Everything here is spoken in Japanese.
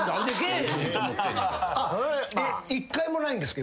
１回もないんですか？